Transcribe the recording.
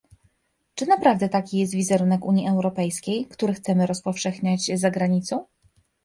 Czy naprawdę taki jest wizerunek Unii Europejskiej, który chcemy rozpowszechniać za granicą?